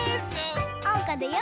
おうかだよ！